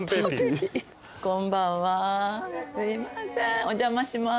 こんばんはすいませんお邪魔します。